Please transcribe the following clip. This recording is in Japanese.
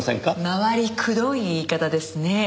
回りくどい言い方ですね。